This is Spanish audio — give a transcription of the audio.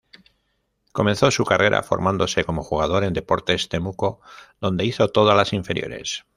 Comenzó su carrera formándose como jugador en Deportes Temuco, donde hizo todas las inferiores.